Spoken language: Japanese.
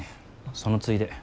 そのついで。